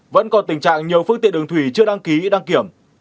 vẫn còn tình trạng nhiều phương tiện đường thủy chưa đăng ký đăng kiểm